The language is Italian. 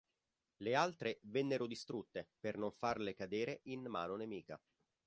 Le altre vennero distrutte per non farle cadere in mano nemica.